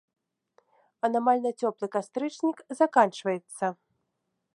Анамальна цёплы кастрычнік заканчваецца.